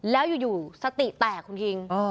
แล้วอยู่สติแตกคุณคิง